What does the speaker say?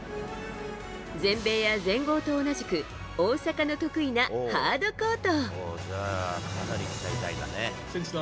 全米や全豪と同じく大坂の得意なハードコート。